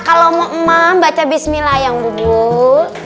kalau mau emang baca bismillah ayam bulbul